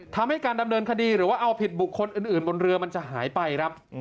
ทำให้การดำเนินคดีหรือว่าเอาผิดบุคคลอื่นบนเรือมันจะหายไปครับ